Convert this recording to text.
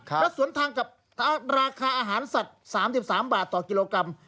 และสวนทางกับราคาอาหารสัตว์๓๓บาทต่อกิโลกรัม